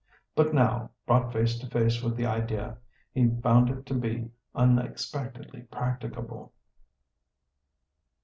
But now, brought face to face with the idea, he found it to be unexpectedly practicable.